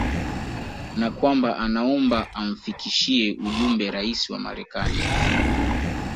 na kwamba anaomba amfikishie ujumbe Rais wa Marekani